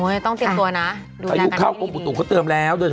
โอ้ยต้องเตรียมตัวนะดูแลกันได้ดีพยุเข้ากลมปุ๋นตุ๋งเขาเติมแล้ว